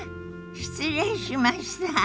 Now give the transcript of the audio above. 失礼しました。